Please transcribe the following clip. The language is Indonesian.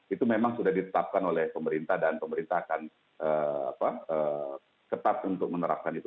itu memang sudah ditetapkan oleh pemerintah dan pemerintah akan ketat untuk menerapkan itu